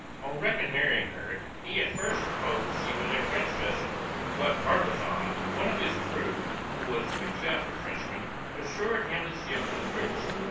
On reconnoitring her, he at first supposed she was a French vessel; but Barbazan, one of his crew, who was himself a Frenchman, assured him the ship was British.